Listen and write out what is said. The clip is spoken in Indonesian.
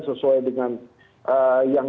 sesuai dengan yang